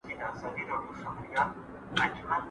¬ دا ئې اختر د چا کره ولاړ سو.